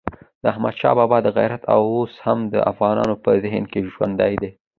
د احمدشاه بابا غیرت اوس هم د افغانانو په ذهن کې ژوندی دی.